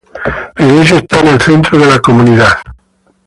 La iglesia está en el centro de la comunidad.